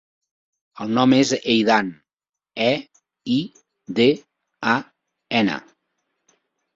El nom és Eidan: e, i, de, a, ena.